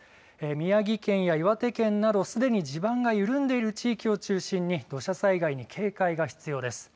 宮城県や岩手県などすでに地盤が緩んでいる地域を中心に土砂災害に警戒が必要です。